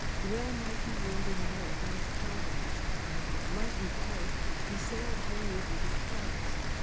Well might he wonder now at God's providence, as with lightened heart he sailed homeward with his prize.